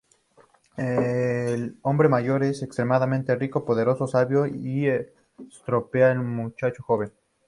El hombre mayor es extremadamente rico, poderoso, sabio y "estropea" al muchacho joven.